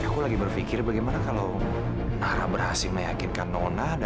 kau benar benar nekat tanya